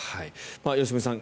良純さん